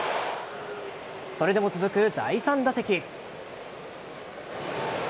それでも続く第３打席。